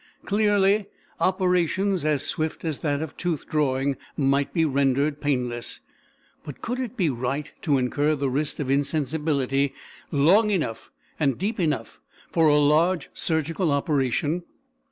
Clearly, operations as swift as that of tooth drawing might be rendered painless, but could it be right to incur the risk of insensibility long enough and deep enough for a large surgical operation?